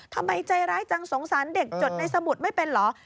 ทำไมใจร้ายจังสงสารเด็กจดในสมุดไม่เป็นเหรอ